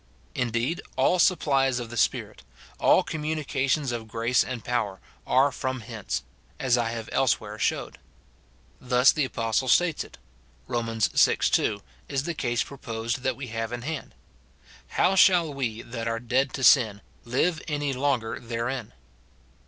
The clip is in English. Indeed, all supplies of the Spirit, all communica tions of grace and power, are from hence ; as I have elsewhere showed. * Thus the apostle states it ; Rom. vi. 2, is the case proposed that we have in hand :" How shall we, that are dead to sin, live any longer therein?"